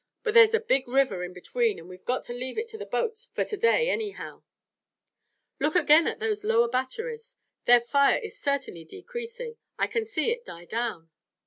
"But there's a big river in between, and we've got to leave it to the boats for to day, anyhow." "Look again at those lower batteries. Their fire is certainly decreasing. I can see it die down."